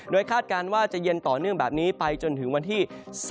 คาดการณ์ว่าจะเย็นต่อเนื่องแบบนี้ไปจนถึงวันที่